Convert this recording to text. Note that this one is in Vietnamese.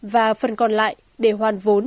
và phần còn lại để hoàn vốn